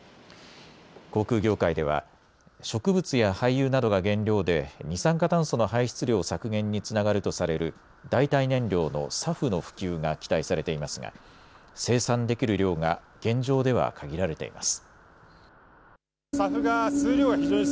航空業界では植物や廃油などが原料で二酸化炭素の排出量削減につながるとされる代替燃料のＳＡＦの普及が期待されていますが生産できる量が現状では限られています。